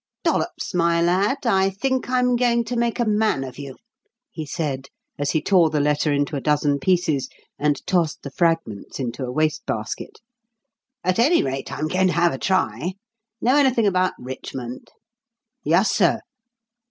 "Dollops, my lad, I think I'm going to make a man of you," he said as he tore the letter into a dozen pieces and tossed the fragments into a waste basket. "At any rate, I'm going to have a try. Know anything about Richmond?" "Yuss, sir."